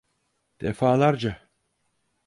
Defalarca.